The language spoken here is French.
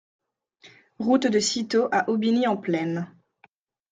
Route de Citeaux à Aubigny-en-Plaine